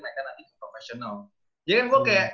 mereka nanti professional jadi kan gue kayak